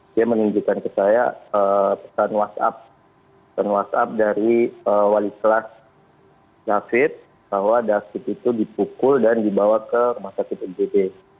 dia menunjukkan ke saya pesan whatsapp dari wali kelas david bahwa dasar itu dipukul dan dibawa ke masjid ujd